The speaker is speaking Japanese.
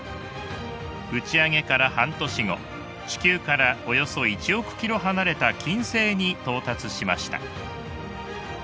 打ち上げから半年後地球からおよそ１億ｋｍ離れた金星に到達しました。